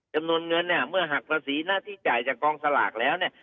จำนวนเงินเมื่อหักตรศรีหน้าที่จ่ายจากกองสลากแล้ว